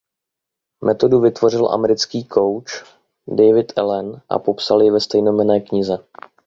Metodu vytvořil americký kouč David Allen a popsal ji ve stejnojmenné knize.